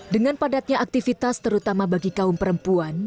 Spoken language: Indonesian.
dengan padatnya aktivitas terutama bagi kaum perempuan